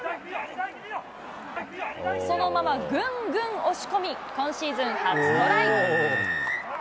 そのままぐんぐん押し込み、今シーズン初トライ。